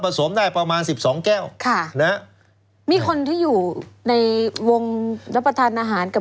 สมได้ประมาณสิบสองแก้วค่ะนะฮะมีคนที่อยู่ในวงรับประทานอาหารกับ